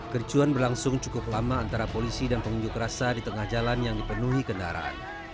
kericuan berlangsung cukup lama antara polisi dan pengunjuk rasa di tengah jalan yang dipenuhi kendaraan